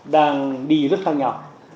đang đi rất thăng nhỏ